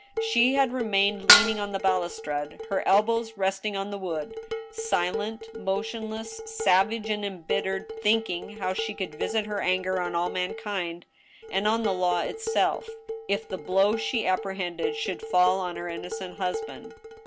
She had remained leaning on the balustrade, her elbows resting on the wood, silent, motionless, savage, and embittered, thinking how she could visit her anger on all mankind, and on the law itself* if the blow she apprehended should fall on her innocent husband.